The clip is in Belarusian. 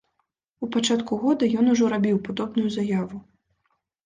У пачатку года ён ужо рабіў падобную заяву.